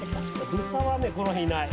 豚はね、この辺いない。